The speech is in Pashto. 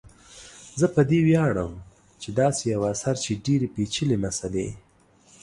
زه په دې ویاړم چي داسي یو اثر چي ډیري پیچلي مسالې